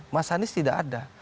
mas anies tidak ada